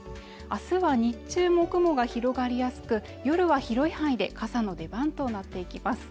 あすは日中も雲が広がりやすく夜は広い範囲で傘の出番となっていきます